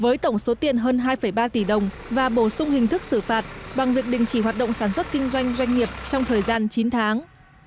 với tổng số tiền hơn hai ba tỷ đồng và bổ sung hình thức xử phạt bằng việc đình chỉ hoạt động sản xuất kinh doanh doanh nghiệp trong thời gian chín tháng